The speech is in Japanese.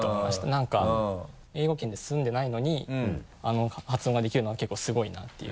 何か英語圏で住んでないのにあの発音ができるのは結構すごいなっていう。